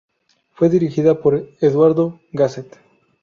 Fue dirigida por Eduardo Gasset.